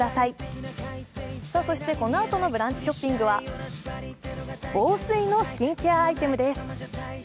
そして、このあとのブランチショッピングは、防水のスキンケアアイテムです。